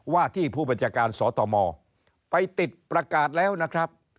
ว่าที่ผู้บัญชาการสตมไปติดประกาศแล้วนะครับ